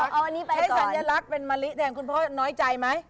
ใช้สัญลักษณ์เป็นมะลิแทนคุณพ่อน้อยใจไหม